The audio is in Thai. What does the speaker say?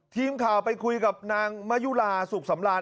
ทีมข่าวไปคุยกับนางมะยุลาสุขสำราญ